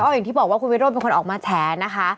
อย่างที่บอกว่าคุณวิโรธเป็นคนออกมาแฉนะคะ